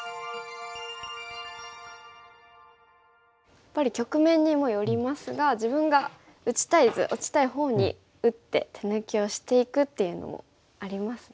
やっぱり局面にもよりますが自分が打ちたい図打ちたいほうに打って手抜きをしていくっていうのもありますね。